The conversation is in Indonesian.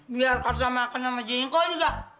biar kata makan sama jengkol juga